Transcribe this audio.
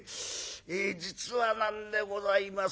え実はなんでございます。